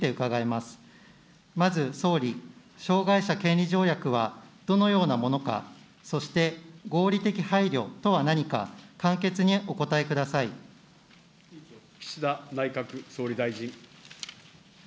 まず総理、障害者権利条約はどのようなものか、そして、合理的配慮とは何か、岸田内閣総理大臣。